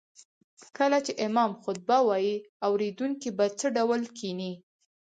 کله چې امام خطبه وايي اوريدونکي به څه ډول کيني